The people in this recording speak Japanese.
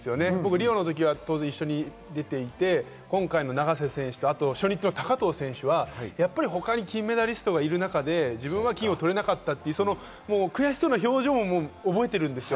リオの時は一緒に出ていて、今回の永瀬選手と初日の高藤選手は他に金メダリストがいる中で自分は金は取れなかったという悔しそうな表情を覚えているんですよ。